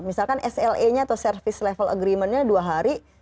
misalkan sle nya atau service level agreementnya dua hari